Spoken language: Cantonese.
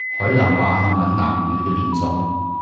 海南話係閩南話嘅變種